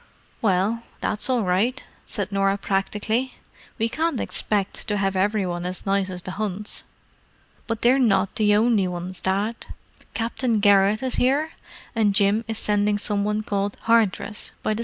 "Well, that's all right," said Norah practically. "We can't expect to have every one as nice as the Hunts. But they're not the only ones, Dad: Captain Garrett is here, and Jim is sending some one called Hardress by the 6.